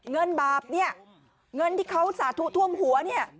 เงินบาปเนี่ยเงินที่เขาสาธุท่วมหัวเนี่ย